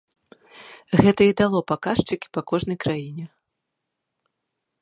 Гэта і дало паказчыкі па кожнай краіне.